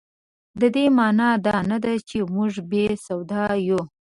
د دې مانا دا نه ده چې موږ بې سواده یو.